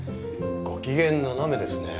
ご機嫌斜めですね。